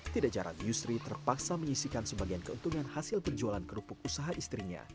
tidak jarang yusri terpaksa menyisikan sebagian keuntungan hasil penjualan kerupuk usaha istrinya